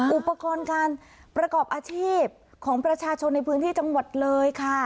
อุปกรณ์การประกอบอาชีพของประชาชนในพื้นที่จังหวัดเลยค่ะ